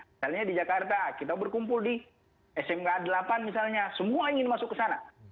misalnya di jakarta kita berkumpul di smk delapan misalnya semua ingin masuk ke sana